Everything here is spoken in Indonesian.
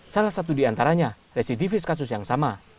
salah satu diantaranya residivis kasus yang sama